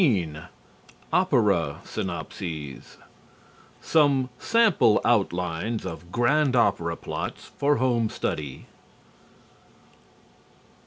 XVI OPERA SYNOPSES _Some Sample Outlines of Grand Opera Plots For Home Study.